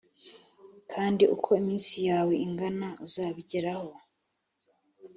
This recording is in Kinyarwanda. kandi uko iminsi yawe ingana uzabigereho.